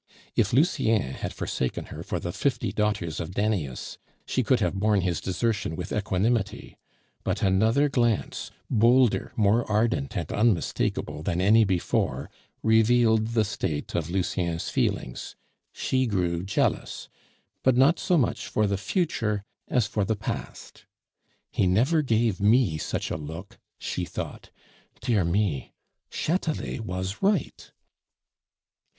If Lucien had forsaken her for the fifty daughters of Danaus, she could have borne his desertion with equanimity; but another glance bolder, more ardent and unmistakable than any before revealed the state of Lucien's feelings. She grew jealous, but not so much for the future as for the past. "He never gave me such a look," she thought. "Dear me! Chatelet was right!"